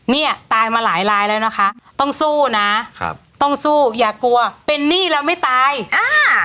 เนี่ยตายมาหลายลายแล้วนะคะต้องสู้นะครับต้องสู้อย่ากลัวเป็นหนี้แล้วไม่ตายอ่า